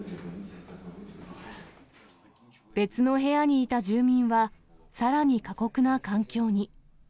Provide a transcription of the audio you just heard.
別の部屋にいた住民は、さらに過酷な環境に。